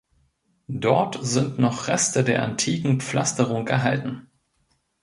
Dort sind noch Reste der antiken Pflasterung erhalten.